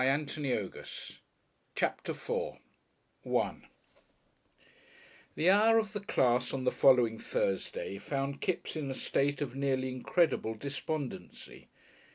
CHAPTER IV CHITTERLOW §1 The hour of the class on the following Thursday found Kipps in a state of nearly incredible despondency.